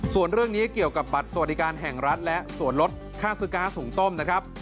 ส่วนเรื่องนี้เกี่ยวกับบัตรสวัสดิการแห่งรัฐและส่วนลดค่าซื้อก๊าซสูงต้มนะครับ